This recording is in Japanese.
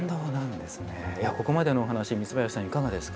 ここまでのお話いかがですか？